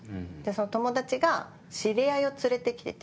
その友達が知り合いを連れて来てて。